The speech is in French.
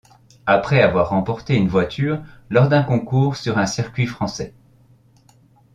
Après avoir remporté une voiture lors d'un concours sur un circuit français.